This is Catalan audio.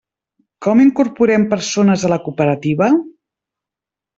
Com incorporem persones a la cooperativa?